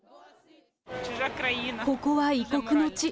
ここは異国の地。